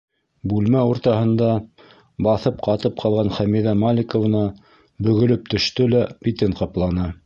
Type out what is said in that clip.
Бүлмә уртаһында баҫып ҡатып ҡалған Хәмиҙә Маликовна бөгөлөп төштө лә битен ҡапланы.